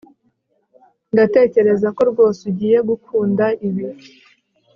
ndatekereza ko rwose ugiye gukunda ibi